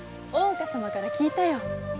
大岡様から聞いたよ。